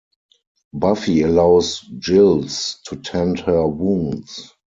Buffy allows Giles to tend her wounds.